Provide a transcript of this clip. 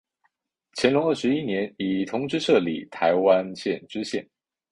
乾隆二十一年以同知摄理台湾县知县。